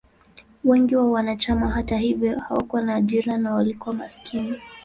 Wengi wa wanachama, hata hivyo, hawakuwa na ajira na walikuwa maskini.